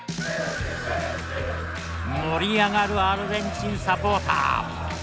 盛り上がるアルゼンチンサポーター。